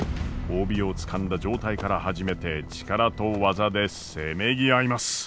帯をつかんだ状態から始めて力と技でせめぎ合います。